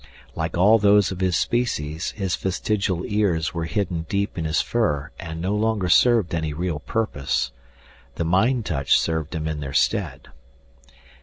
Like all those of his species, his vestigial ears were hidden deep in his fur and no longer served any real purpose; the mind touch served him in their stead.